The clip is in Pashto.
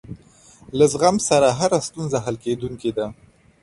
له زغم سره هره ستونزه حل کېدونکې ده.